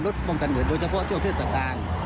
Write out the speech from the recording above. ป้องกันเหมือนโดยเฉพาะช่วงเทศกาล